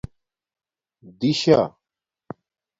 دِشہ